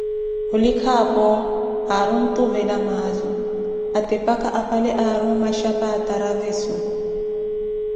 Olikha apho, we aari ontuvela maazu, otepaca apale aari mmaxhapa a Traveso.